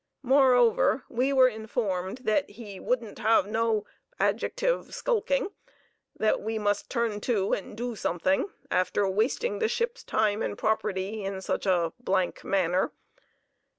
Moreover, we were informed that he "wouldn't have no [adjective] skulking;" we must "turn to" and do something after wasting the ship's time and property in such a blank manner.